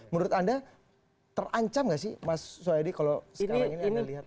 menurut anda terancam nggak sih mas soedi kalau sekarang ini anda lihat